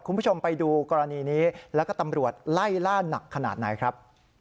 คุณผู้ชมไปดูกรณีนี้แล้วก็ตำรวจไล่ล่าหนักขนาดไหนครับ